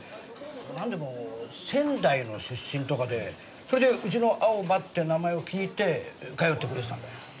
なんでも仙台の出身とかでそれでうちの「青葉」って名前を気に入って通ってくれてたんだよ。